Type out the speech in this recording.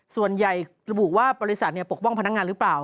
ส่วนใหญ่ระบุว่าบริษัทปกป้องพนักงานหรือเปล่า